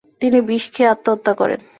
তিনি বিষ খেয়ে আত্মহত্যা করেন।